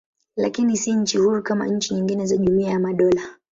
Lakini si nchi huru kama nchi nyingine za Jumuiya ya Madola.